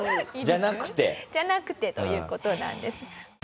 じゃなくて？じゃなくてという事なんです。